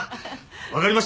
分かりました！